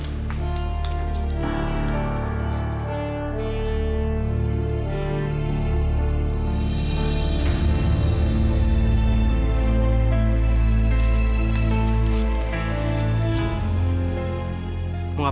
kecil kecil udah jadi pengemis